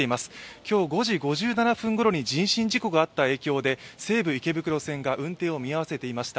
今日午前５時５７分ごろに人身事故があった影響で、西武池袋線が運転を見合わせていました。